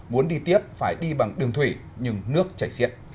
muốn đi tiếp phải đi bằng đường thủy nhưng nước chảy xiết